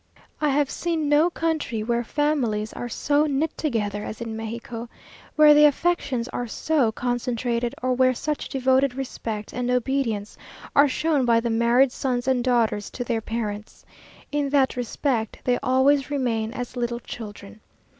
I have seen no country where families are so knit together as in Mexico, where the affections are so concentrated, or where such devoted respect and obedience are shown by the married sons and daughters to their parents. In that respect they always remain as little children.